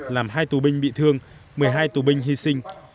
làm hai tù binh bị thương một mươi hai tù binh hy sinh